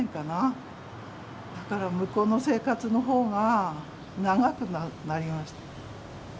だから向こうの生活の方が長くなりました。